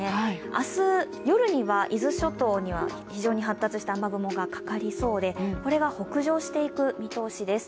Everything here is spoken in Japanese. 明日夜には伊豆諸島に非常に発達した雨雲がかかりそうでこれが北上していく見通しです。